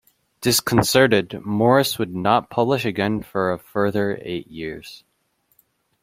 Disconcerted, Morris would not publish again for a further eight years.